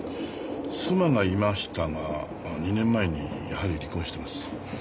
妻がいましたが２年前にやはり離婚してます。